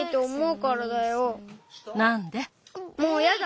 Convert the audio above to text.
もうやだ。